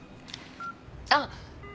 あっ！